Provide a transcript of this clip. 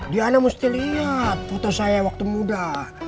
diana mesti lihat foto saya waktu muda